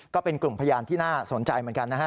ก็เป็นกลุ่มพยานที่น่าสนใจเหมือนกันนะฮะ